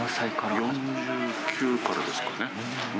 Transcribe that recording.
４９からですかね。